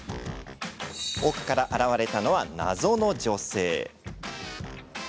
奥から現れたのは謎の女性。